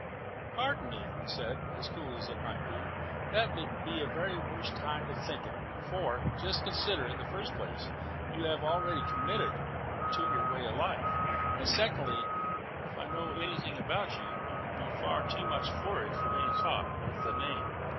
"Pardon me," he said, as coolly as might be, "that would be the very worst time to think of it. For, just consider: in the first place you will already be committed to your way of life, and secondly, if I know anything about you, you would be far too much flurried for any thought worth the name."